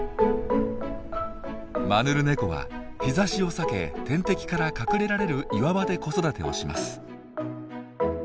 マヌルネコは日ざしを避け天敵から隠れられる岩場で子育てをします。